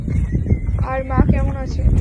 আর মা কেমন আছে?